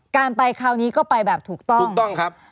การไปครั้วนี้ก็ไปแบบถูกต้อง